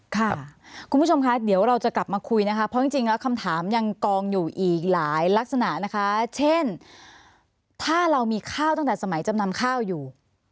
ค่ะคุณผู้ชมคะเดี๋ยวเราจะกลับมาคุยนะคะเพราะจริงแล้วคำถามยังกองอยู่อีกหลายลักษณะนะคะเช่นถ้าเรามีข้าวตั้งแต่สมัยจำนำข้าวอยู่